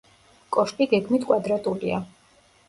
კოშკი გეგმით კვადრატულია.